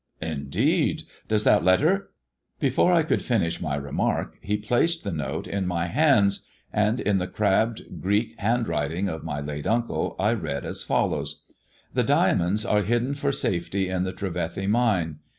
" Indeed 1 Does that letter " Before I could finish my remark he placed the note in my hands, and in the crabbed Greek handwriting of my late uncle, I read as follows —" The diamonds are hidden for safety in the Trevethy Mine.